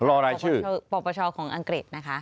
รายชื่อปปชของอังกฤษนะคะ